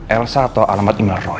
elsa atau alamat imlek roy